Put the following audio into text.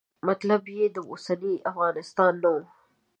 مطلب یې د اوسني افغانستان نه و.